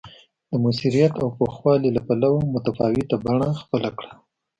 د موثریت او پوخوالي له پلوه متفاوته بڼه خپله کړه